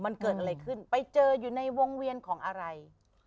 มันเกิดอะไรขึ้นไปเจออยู่ในวงเวียนของอะไร